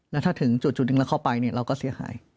แล้วถ้าถึงจุดหนึ่งแล้วเข้าไปเนี่ยเราก็เสียหาย